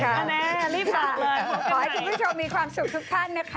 แน่น่ารีบกลับเลยพบกันใหม่ขอให้ทุกผู้ชมมีความสุขทุกท่านนะคะ